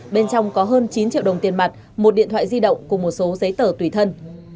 bên trong có hơn chín triệu đồng tiền mặt một điện thoại di động cùng một số giấy tờ tùy thân